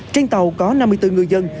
trên tàu có năm mươi bốn người dân